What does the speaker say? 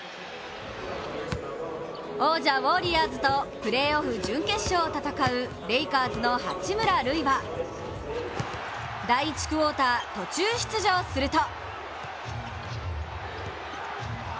王者ウォリアーズとプレーオフ準決勝を戦うレイカーズの八村塁は第１クオーター、途中出場すると！